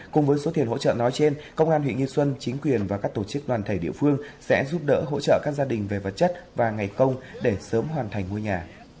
cùng với số tiền hỗ trợ nói trên công an huyện nghi xuân chính quyền và các tổ chức đoàn thể địa phương sẽ giúp đỡ hỗ trợ các gia đình về vật chất và ngày công để sớm hoàn thành ngôi nhà